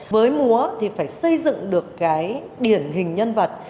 với múa thì phải xây dựng được cái điển hình nhân vật